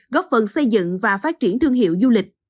góp phần xây dựng và phát triển thương hiệu du lịch